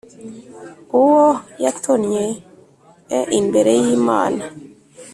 Uwo yatonnye e imbere y Imana